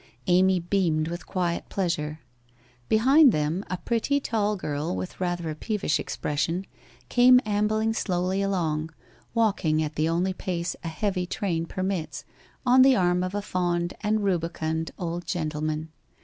Amy beamed with quiet pleasure. Behind them a pretty tall girl, with rather a peevish expression, came ambling slowly along, walking at the only pace a heavy train permits, on the arm of a fond and rubicund old gentleman.